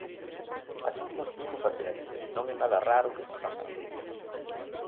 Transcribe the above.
Así construímos a ciencia, non é nada raro o que está pasando.